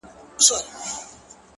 پر دغه لار که مي قدم کښېښود پاچا به سم;